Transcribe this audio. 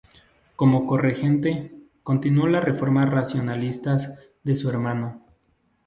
Como corregente, continuó las reformas racionalistas de su hermano.